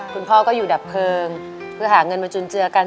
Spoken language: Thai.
คุณพ่อก็อยู่ดับเพลิงเพื่อหาเงินมาจุนเจือกัน